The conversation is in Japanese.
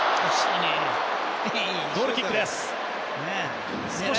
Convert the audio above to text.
ゴールキックです。